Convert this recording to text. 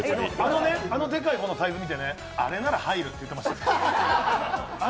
あのでかいサイズ見てね、あれなら入るって言ってました。